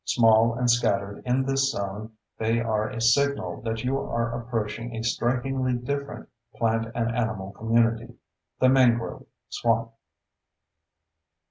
Small and scattered in this zone, they are a signal that you are approaching a strikingly different plant and animal community, the mangrove swamp.